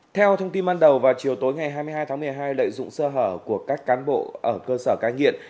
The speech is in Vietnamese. theo thông tin ban đầu vào chiều tối ngày hai mươi hai tháng một mươi hai lợi dụng sơ hở của các cán bộ ở cơ sở cai nghiện